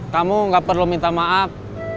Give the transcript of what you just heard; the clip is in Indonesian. kamu gak perlu minta maaf